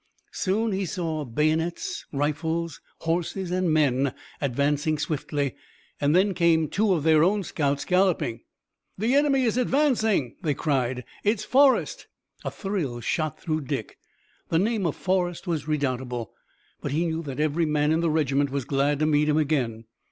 Soon he saw bayonets, rifles, horses and men advancing swiftly, and then came two of their own scouts galloping. "The enemy is advancing!" they cried. "It's Forrest!" A thrill shot through Dick. The name of Forrest was redoubtable, but he knew that every man in the regiment was glad to meet him again.